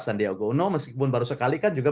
sandiaga uno meskipun baru sekali kan juga